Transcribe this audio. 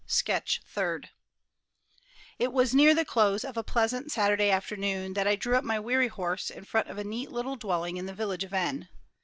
SKETCH THIRD It was near the close of a pleasant Saturday afternoon that I drew up my weary horse in front of a neat little dwelling in the village of N.